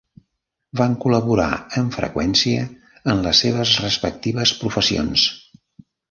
Van col·laborar amb freqüència en les seves respectives professions.